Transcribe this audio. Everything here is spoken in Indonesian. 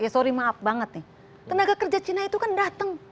ya sorry maaf banget nih tenaga kerja cina itu kan datang